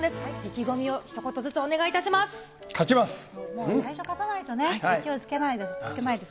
意気込みを、ひと言ずつお願いい勝ちます。